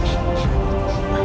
aku harus menahan nafas